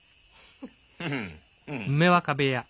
フフフフ。